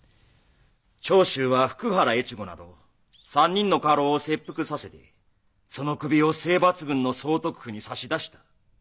長州は福原越後など３人の家老を切腹させてその首を征伐軍の総督府に差し出した。